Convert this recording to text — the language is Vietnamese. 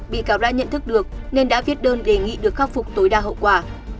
bị cáo đã nhận thức được nên đã viết đơn đề nghị được khắc phục tối đa hậu quả